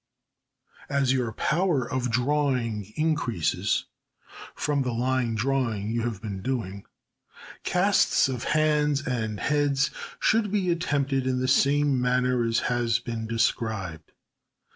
As your power of drawing increases (from the line drawing you have been doing), casts of hands and heads should be attempted in the same manner as has been described.